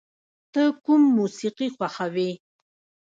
ته کوم موسیقی خوښوې؟